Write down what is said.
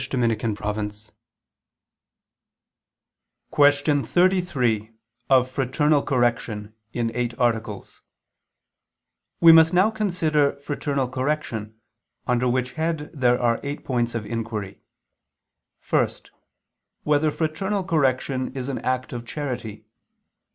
_______________________ QUESTION 33 OF FRATERNAL CORRECTION (In Eight Articles) We must now consider Fraternal Correction, under which head there are eight points of inquiry: (1) Whether fraternal correction is an act of charity?